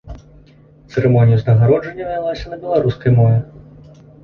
Цырымонія ўзнагароджання вялася на беларускай мове.